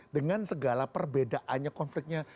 dengan segala perbedaannya konfliknya